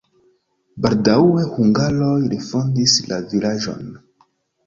Baldaŭe hungaroj refondis la vilaĝon.